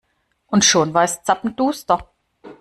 Und schon war es zappenduster.